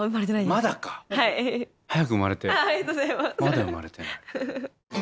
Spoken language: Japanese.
まだ生まれてない。